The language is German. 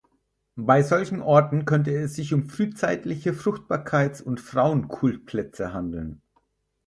Bei solchen Orten könnte es sich um frühzeitliche Fruchtbarkeits- und Frauen-Kultplätze handeln.